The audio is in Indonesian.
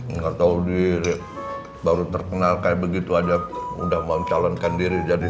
enggak tahuudi baru terkenal kayak begitu aja muda mau calonkan diri jadi dua puluh